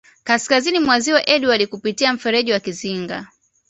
Kaskazini mwa Ziwa Edward kupitia mferji wa Kizinga